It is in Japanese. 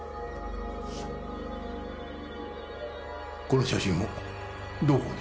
この写真をどこで？